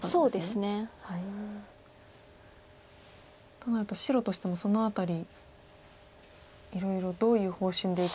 となると白としてもその辺りいろいろどういう方針でいくか。